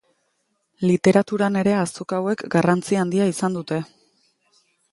Literaturan ere azoka hauek garrantzi handia izan dute.